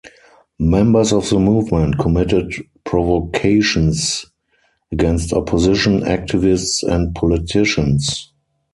Members of the movement committed provocations against opposition activists and politicians.